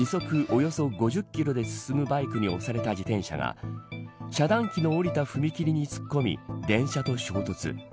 およそ５０キロで進むバイクに押された自転車が遮断機の降りた踏切に突っ込み電車と衝突。